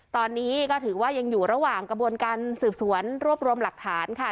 ตอนนี้ก็ถือว่ายังอยู่ระหว่างกระบวนการสืบสวนรวบรวมหลักฐานค่ะ